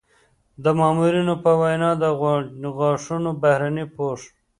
د ماهرینو په وینا د غاښونو بهرني پوښ